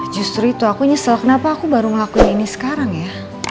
justru itu aku nyesel kenapa aku baru ngelakuin ini sekarang ya